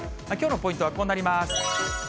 きょうのポイントはこうなります。